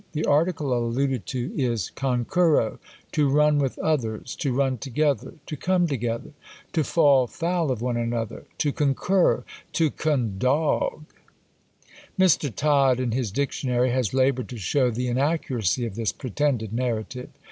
The article alluded to is, "CONCURRO, to run with others; to run together; to come together; to fall foul of one another; to CON cur, to CON dog." Mr. Todd, in his Dictionary, has laboured to show the "inaccuracy of this pretended narrative."